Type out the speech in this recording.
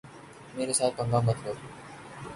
میرے ساتھ پنگا مت لو۔